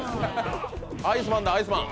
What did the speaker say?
アイスマンだ、アイスマン。